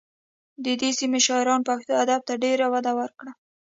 د دې سیمې شاعرانو پښتو ادب ته ډېره وده ورکړه